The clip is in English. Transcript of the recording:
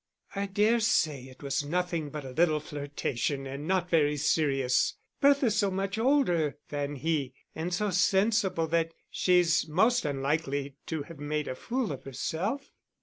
"I dare say it was nothing but a little flirtation and not very serious. Bertha's so much older than he and so sensible that she's most unlikely to have made a fool of herself."